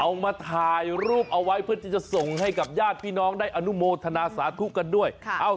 เอามาถ่ายรูปเอาไว้เพื่อที่จะส่งให้กับญาติพี่น้องได้อนุโมทนาสาธุกันด้วย